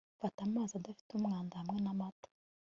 fata amazi adafite umwanda hamwe namata